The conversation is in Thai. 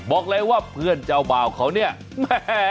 บอกเลยว่าเพื่อนเจ้าบ่าวเขาเนี่ยแม่